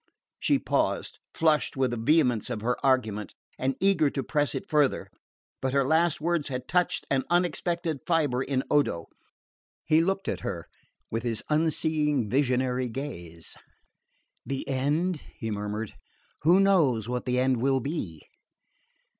She paused, flushed with the vehemence of her argument, and eager to press it farther. But her last words had touched an unexpected fibre in Odo. He looked at her with his unseeing visionary gaze. "The end?" he murmured. "Who knows what the end will be?"